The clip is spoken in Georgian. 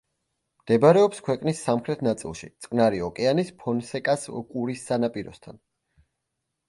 მდებარეობს ქვეყნის სამხრეთ ნაწილში, წყნარი ოკეანის ფონსეკას ყურის სანაპიროსთან.